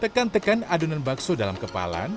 tekan tekan adonan bakso dalam kepalan